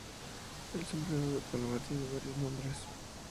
El sombrero de panamá tiene varios nombres.